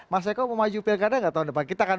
masa kok mau maju pdip gak tahun depan kita akan